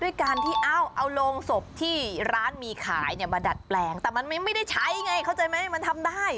ด้วยการที่เอาโรงศพที่ร้านมีขายเนี่ยมาดัดแปลงแต่มันไม่ได้ใช้ไงเข้าใจไหมมันทำได้